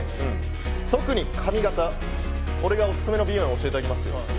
特に髪形、俺がオススメの美容院教えてあげますよ。